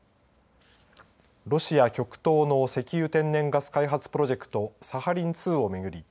ロシア極東の石油・天然ガス開発プロジェクトサハリン２を巡り